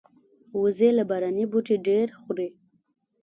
وزې له باراني بوټي ډېر خوري